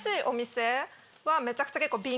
めちゃくちゃ結構。